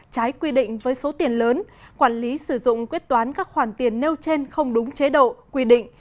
trái quy định với số tiền lớn quản lý sử dụng quyết toán các khoản tiền nêu trên không đúng chế độ quy định